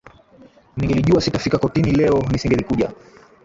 Ningelijua sitafika kortini leo, nisingelikuja